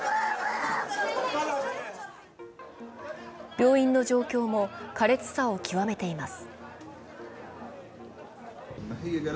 病院の状況も苛烈さを極めています。